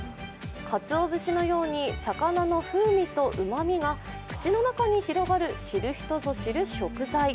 かつお節のように魚の風味とうまみが口の中に広がる知る人ぞ知る食材。